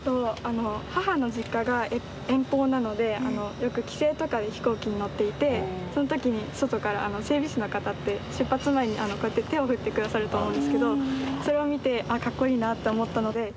母の実家が遠方なのでよく帰省とかで飛行機に乗っていてその時に外から整備士の方って出発前にこうやって手を振って下さると思うんですけどそれを見てかっこいいなと思ったので。